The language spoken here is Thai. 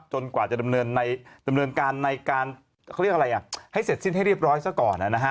จนกว่าจะดำเนินการให้เสร็จสิ้นให้เรียบร้อยซะก่อนนะฮะ